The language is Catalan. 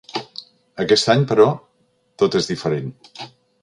Aquest any, però, tot és diferent.